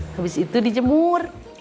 habis itu dijemur